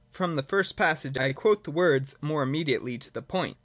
From the first passage I quote the words more immediately to the point.